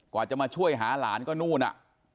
กว่าจะมาช่วยหาหลานก็นู่นอ่ะ